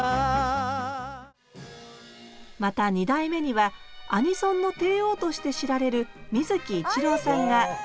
また２代目にはアニソンの帝王として知られる水木一郎さんがアニキ！